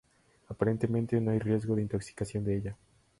Aparentemente, no hay riesgo de intoxicación de ella.